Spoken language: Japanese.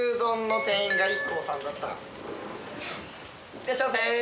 いらっしゃいませ。